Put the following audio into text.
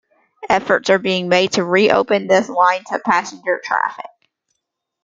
Efforts are being made to reopen this line to passenger traffic.